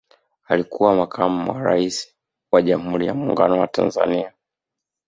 alikuwa makamu wa raisi wa jamhuri ya muungano wa tanzania